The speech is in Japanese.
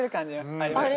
ありますね。